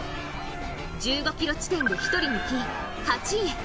１５ｋｍ地点で１人抜き、８位。